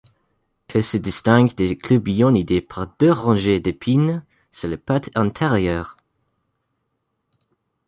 Elles se distinguent des Clubionidae par deux rangées d'épines sur les pattes antérieures.